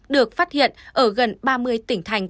được phát hiện ở gần ba mươi tỉnh thành